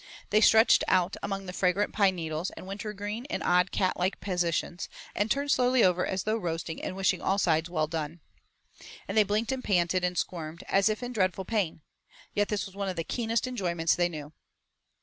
They stretched out among the fragrant pine needles and winter green in odd cat like positions, and turned slowly over as though roasting and wishing all sides well done. And they blinked and panted, and squirmed as if in dreadful pain; yet this was one of the keenest enjoyments they knew.